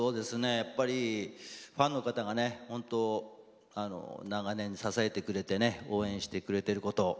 やっぱりファンの方が本当長年支えてくれて応援してくれていること。